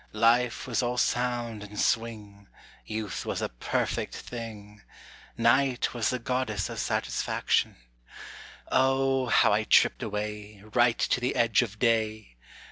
Life was all sound and swing; youth was a perfect thing; Night was the goddess of satisfaction. Oh, how I tripped away, right to the edge of day!